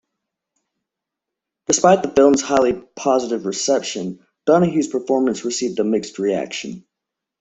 Despite the film's highly positive reception, Donahue's performance received a mixed reaction.